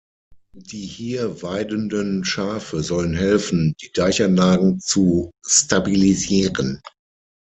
Die hier weidenden Schafe sollen helfen, die Deichanlagen zu stabilisieren.